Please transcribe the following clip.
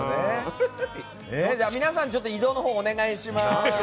皆さん、移動をお願いします。